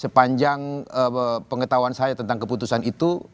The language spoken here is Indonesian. sepanjang pengetahuan saya tentang keputusan itu